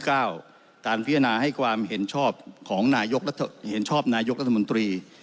การพิจารณาให้ความเห็นชอบของเห็นชอบนายกรัฐมนตรี